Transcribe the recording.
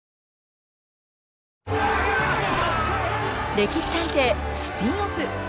「歴史探偵」スピンオフ。